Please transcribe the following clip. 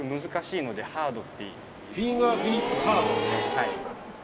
はい。